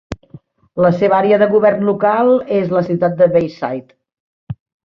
La seva àrea de govern local és la ciutat de Bayside.